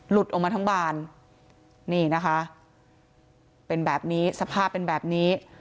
ออกมาทั้งบานนี่นะคะเป็นแบบนี้สภาพเป็นแบบนี้